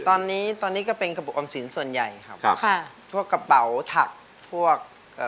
ตอนนี้ตอนนี้ก็เป็นกระบุออมสินส่วนใหญ่ครับครับค่ะพวกกระเป๋าถักพวกเอ่อ